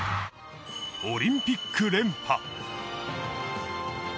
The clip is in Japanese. オリンピック連覇！